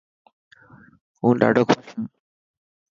هون ڏاڌو خوش هان.